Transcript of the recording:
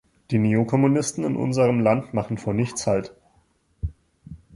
Die Neokommunisten in unserem Land machen vor nichts Halt.